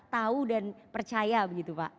tahu dan percaya begitu pak